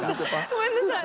ごめんなさい。